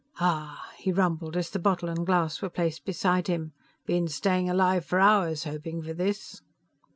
"Aaaah!" he rumbled, as the bottle and glass were placed beside him. "Been staying alive for hours hoping for this."